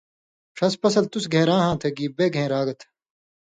ݜس (پسل) تُس گھَین٘راہاں تھہ گی بے گھَین٘راگ تھہ؟